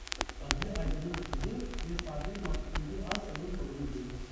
Adile Ayda'nın kızı ve Sadri Maksudi Arsal'ın torunudur.